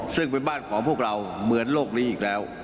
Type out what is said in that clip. ซึ่งเป็นบ้านของพวกเราเหมือนโลกนี้อีกแล้ว